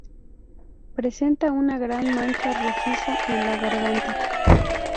Presenta una gran mancha rojiza en la garganta.